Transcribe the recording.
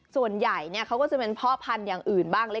ส่วนใหญ่เขาก็จะเป็นพ่อพันธุ์อย่างอื่นบ้างเล็ก